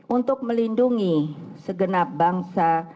untuk melindungi segenap bangsa